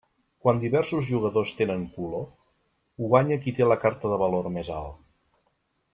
Quan diversos jugadors tenen color, guanya qui té la carta de valor més alt.